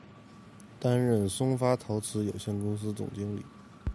担任松发陶瓷有限公司总经理。